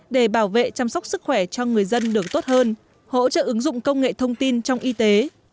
để bảo vệ chăm sóc sức khỏe cho người dân được tốt hơn hỗ trợ ứng dụng công nghệ thông tin trong y tế